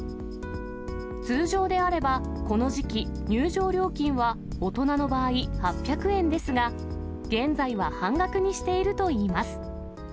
通常であれば、この時期、入場料金は、大人の場合８００円ですが、現在は半額にしているといいます。